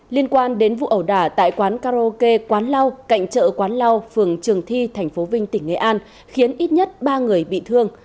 liên quan đến vụ ẩu đả tại quán karaoke quán lau cạnh chợ quán lau phường trường thi tp vinh tỉnh nghệ an khiến ít nhất ba người bị thương